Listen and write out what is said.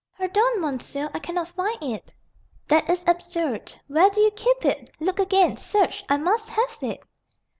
"Pardon, monsieur, I cannot find it." "That is absurd. Where do you keep it? Look again search I must have it."